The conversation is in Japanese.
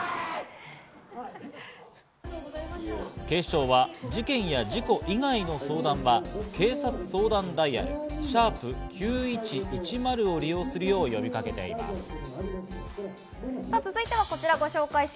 警視庁は事件や事故以外の相談は警察相談ダイヤル「＃９１１０」を利用するよう呼びかけています。